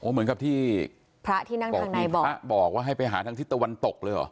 เหมือนกับที่พระที่นั่งทางไหนบอกพระบอกว่าให้ไปหาทางทิศตะวันตกเลยเหรอ